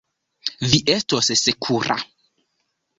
Vi estos sekura.